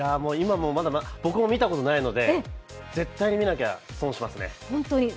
僕も見たことないので、絶対に見なきゃ損しますね。